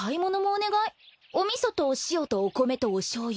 お味噌とお塩とお米とおしょうゆ。